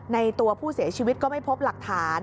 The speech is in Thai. ตัวผู้เสียชีวิตก็ไม่พบหลักฐาน